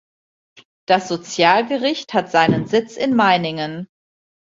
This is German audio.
Das Sozialgericht hat seinen Sitz in Meiningen.